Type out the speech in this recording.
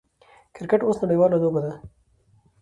کرکټ اوس نړۍواله لوبه ده.